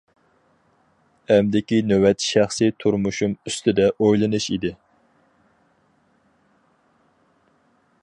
ئەمدىكى نۆۋەت شەخسى تۇرمۇشۇم ئۈستىدە ئويلىنىش ئىدى.